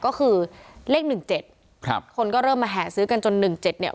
ก็คือเลขหนึ่งเจ็ดครับคนก็เริ่มมาแห่ซื้อกันจนหนึ่งเจ็ดเนี่ย